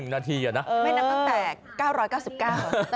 ๑นาทีเหรอนะไม่นับตั้งแต่๙๙๙